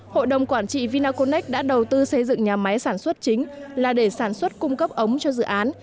hội đồng quản trị vinaconex đã đầu tư xây dựng nhà máy sản xuất chính là để sản xuất cung cấp ống cho dự án